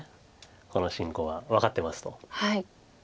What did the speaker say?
この進行は分かってますと。